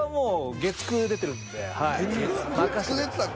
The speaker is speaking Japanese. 月９出てたっけ。